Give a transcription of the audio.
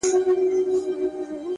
• د دوى دا هيله ده چي،